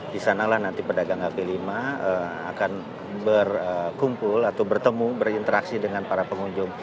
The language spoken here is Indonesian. di sanalah nanti pedagang kaki lima akan berkumpul atau bertemu berinteraksi dengan para pengunjung